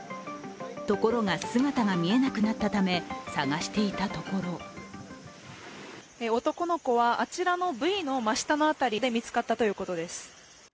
ところが、姿が見えなくなったため捜していたところ男の子はあちらのブイの真下の辺りで見つかったということです。